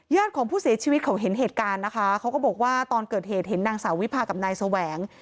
ของผู้เสียชีวิตเขาเห็นเหตุการณ์นะคะเขาก็บอกว่าตอนเกิดเหตุเห็นนางสาววิพากับนายแสวง